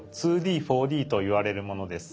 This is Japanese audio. ２Ｄ：４Ｄといわれるものです。